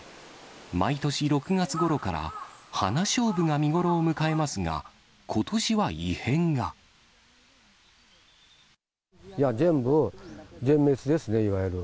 毎年６月ごろからハナショウブが見頃を迎えますが、ことしは異変全部、全滅ですね、いわゆる。